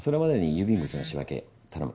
郵便物の仕分け頼む。